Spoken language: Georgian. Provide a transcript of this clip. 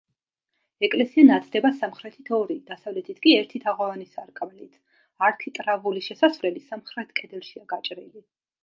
ეკლესია ნათდება სამხრეთით ორი, დასავლეთით კი ერთი თაღოვანი სარკმლით; არქიტრავული შესასვლელი სამხრეთ კედელშია გაჭრილი.